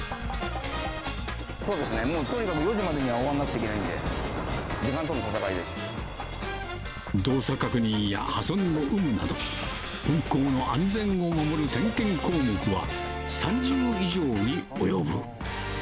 そうですね、もうとにかく４時までには終わんなくちゃいけないんで、時間との動作確認や破損の有無など、運行の安全を守る点検項目は３０以上に及ぶ。